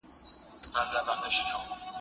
وايي: څو سکې د زرو غواړې خانه!